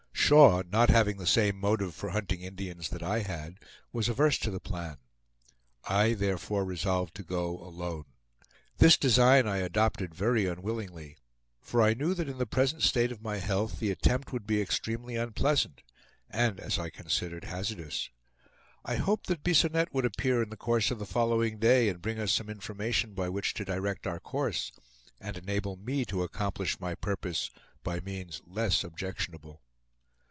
Shaw, not having the same motive for hunting Indians that I had, was averse to the plan; I therefore resolved to go alone. This design I adopted very unwillingly, for I knew that in the present state of my health the attempt would be extremely unpleasant, and, as I considered, hazardous. I hoped that Bisonette would appear in the course of the following day, and bring us some information by which to direct our course, and enable me to accomplish my purpose by means less objectionable.